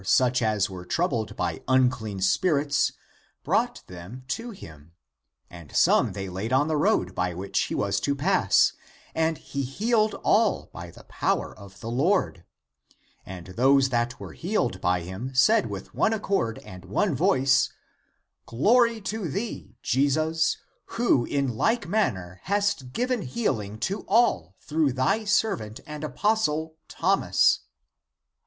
278 THE APOCRYPHAL ACTS were troubled by unclean spirits, ^^ brought them to him; and some they laid on the road ^^ by which he was to pass, and he healed all by the power of the Lord. And those that were healed by him said with one accord and one voice, " Glory to thee, Jesus, who in like manner hast given healing to all through thy servant and apostle Thomas!